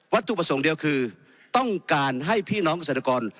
วัตถุประสงค์เดียวคือต้องการให้พี่น้องกษัตริยากร